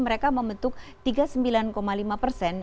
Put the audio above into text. mereka membentuk tiga puluh sembilan lima persen